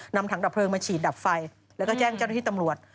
นำถังดับเพลิงมาฉีดดับไฟแล้วก็แจ้งเจ้าหน้าที่ตำรวจ